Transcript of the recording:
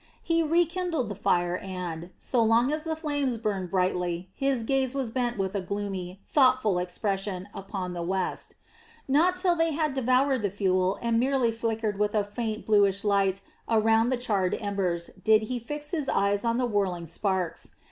He rekindled the fire and, so long as the flames burned brightly, his gaze was bent with a gloomy, thoughtful expression upon the west. Not till they had devoured the fuel and merely flickered with a faint bluish light around the charred embers did he fix his eyes on the whirling sparks.